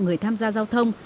người tham gia giao thông